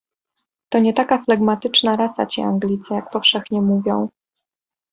"To nie taka flegmatyczna rasa ci Anglicy, jak powszechnie mówią."